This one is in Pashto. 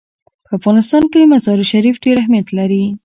په افغانستان کې مزارشریف ډېر اهمیت لري.